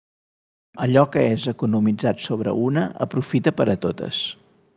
Allò que és economitzat sobre una aprofita per a totes.